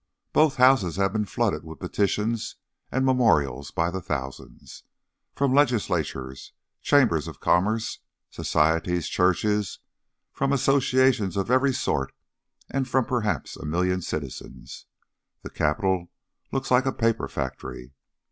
Both Houses have been flooded with petitions and memorials by the thousands: from Legislatures, Chambers of Commerce, Societies, Churches, from associations of every sort, and from perhaps a million citizens. The Capitol looks like a paper factory.